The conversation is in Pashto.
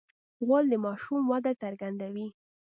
غول د ماشوم وده څرګندوي.